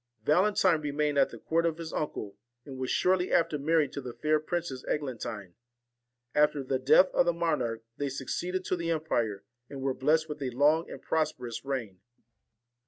Valentine remained at the court of his uncle, and was shortly after married to the fair Princess Eglantine. At the death of the monarch they succeeded to the empire, and were blessed with a long and prosperous reign.